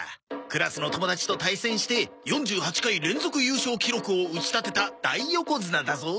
クラスの友達と対戦して４８回連続優勝記録を打ち立てた大横綱だぞ！